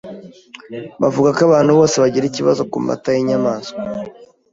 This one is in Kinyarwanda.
bavuga ko abantu bose bagira ikibazo ku mata y’inyamaswa,